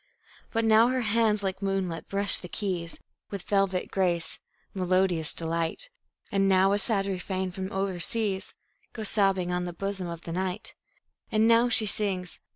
But now her hands like moonlight brush the keys With velvet grace melodious delight; And now a sad refrain from over seas Goes sobbing on the bosom of the night; And now she sings.